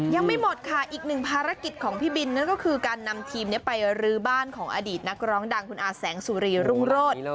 ยังไม่หมดค่ะอีกหนึ่งภารกิจของพี่บินนั่นก็คือการนำทีมไปรื้อบ้านของอดีตนักร้องดังคุณอาแสงสุรีรุ่งโรธ